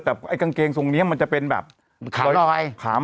แต่กางเกงทรงนี้มันจะเป็นคา